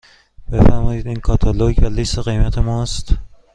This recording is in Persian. بفرمایید این کاتالوگ و لیست قیمت ماست.